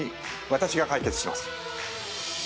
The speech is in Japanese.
私が解決します